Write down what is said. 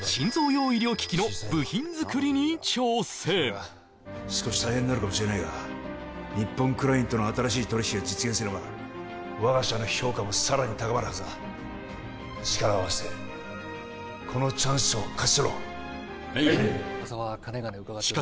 はいその少し大変になるかもしれないが日本クラインとの新しい取り引きが実現すれば我が社の評価もさらに高まるはずだ力を合わせてこのチャンスを勝ち取ろうはい！